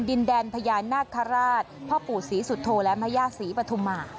ดินแดนพญานาคาราชพ่อปู่ศรีสุโธและแม่ย่าศรีปฐุมา